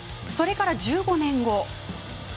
それから１５年後。